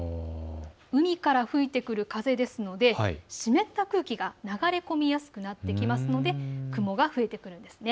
海から吹いてくる風ですので湿った空気が流れ込みやすくなってきますので雲が増えてくるんです。